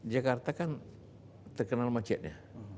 jakarta kan terkenal macetnya